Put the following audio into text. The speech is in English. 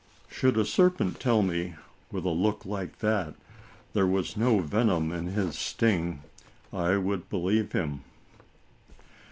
u Should A serpent tell me, with a look like that. There was no venom in his sting, I would Believe him."